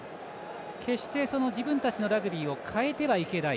決して自分たちのラグビーを変えてはいけない。